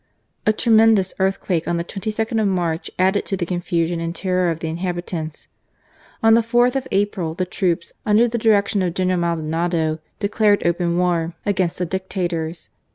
A tremendous earthquake on the 22nd of March added to the confusion and terror of the inhabitants. On the 4th of April the troops, under the direction of General Maldonado, declared open war against the Dictators.